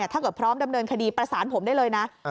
ถ้าเกิดพร้อมดำเนินคดีประสานผมได้เลยนะ